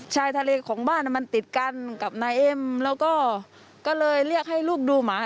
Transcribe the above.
ชายทะเลของบ้านมันติดกันกับนายเอ็มแล้วก็ก็เลยเรียกให้ลูกดูหมา